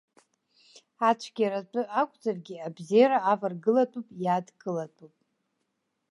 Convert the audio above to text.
Ацәгьара атәы акәзаргьы, абзеира аваргылатәуп иадкылатәуп.